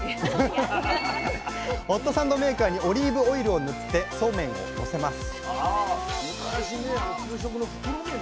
ホットサンドメーカーにオリーブオイルを塗ってそうめんをのせます。